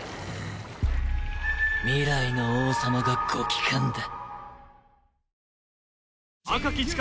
未来の王様がご帰還だ！